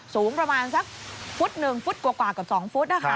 สูงประมาณสักฝุตนึงฟุตกว่ากว่ากว่ากว่า๒ฟุต